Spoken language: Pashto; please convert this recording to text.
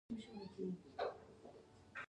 آیا د مور غیږه لومړنی ښوونځی نه دی؟